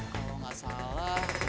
kalau gak salah